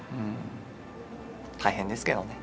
大変ですけどね。